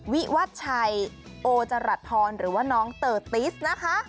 วิวัชชัยโอจรัสทรหรือว่าน้องเตอร์ติสนะคะ